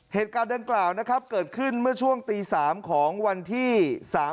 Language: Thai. เหตุการณ์ดังกล่าวนะครับเกิดขึ้นเมื่อช่วงตี๓ของวันที่๓๐